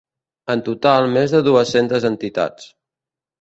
En total, més de dues-centes entitats.